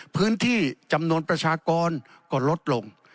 พื้นที่จำนวนประชากรก็ลดลง